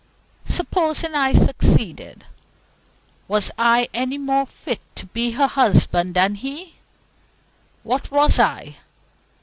Supposing I succeeded, was I any more fit to be her husband than he? What was I?